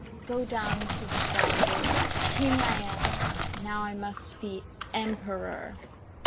Go down to the flounder; king I am, now I must be emperor.